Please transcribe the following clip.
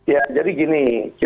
ya jadi gini